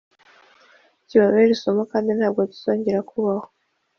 kibabere isomo kandi ntabwo kizongera kubaho